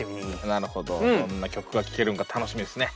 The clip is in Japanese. なるほどどんな曲が聴けるんか楽しみですね。